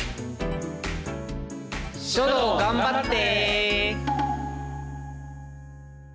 書道頑張って。